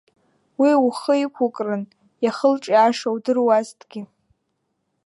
Уи ухы иқәыкрын иахылҿиааша удыруазҭгьы.